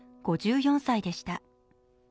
５４歳でした。